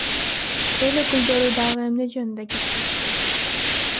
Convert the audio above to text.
Эл өкүлдөрү дагы эмне жөнүндө кеп кылышты?